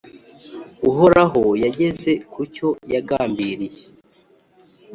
Uhoraho yageze ku cyo yagambiriye,